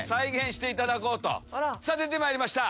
出てまいりました。